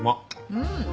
うん！